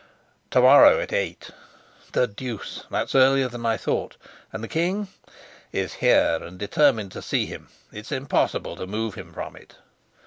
"To morrow at eight." "The deuce! That's earlier than I thought. And the king?" "Is here and determined to see him. It's impossible to move him from it."